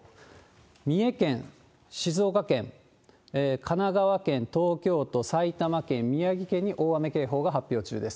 三重県、静岡県、神奈川県、東京都、埼玉県、宮城県に大雨警報が発表中です。